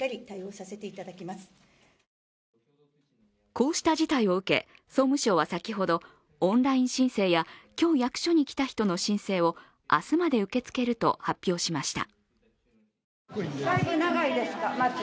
こうした事態を受け総務省は先ほど、オンライン申請や今日、役所に来た人の申請を、明日まで受け付けると発表しました。